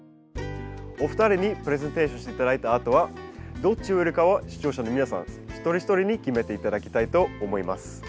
お二人にプレゼンテーションして頂いたあとはどっち植えるかは視聴者の皆さん一人一人に決めて頂きたいと思います。